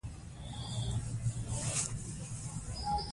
موږ به یو ځل بیا یو سوکاله ژوند ولرو.